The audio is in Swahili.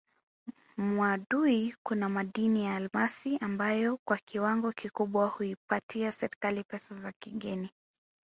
Mwadui kuna madini ya almasi ambayo kwa kiwango kikubwa huipatia serikali pesa za kigeni